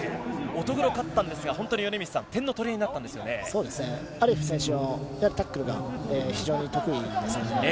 乙黒、勝ったんですが本当に米満さんアリエフ選手はタックルが非常に得意ですね。